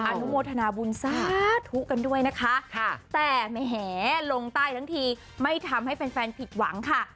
อนุโมทนาบุญสาธุกันด้วยนะคะแต่แหมลงใต้ทั้งทีไม่ทำให้แฟนผิดหวังค่ะ